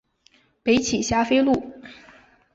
北起霞飞路。